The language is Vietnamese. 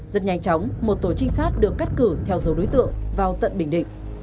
rất nhanh chóng một tổ trinh sát được cắt cử theo dấu đối tượng vào tận bình định